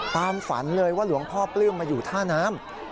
ฝันเลยว่าหลวงพ่อปลื้มมาอยู่ท่าน้ำ